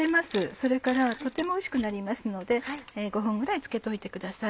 それからとてもおいしくなりますので５分ぐらいつけといてください。